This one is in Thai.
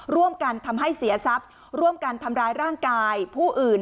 ร่วมกันทำให้เสียทรัพย์ร่วมกันทำร้ายร่างกายผู้อื่น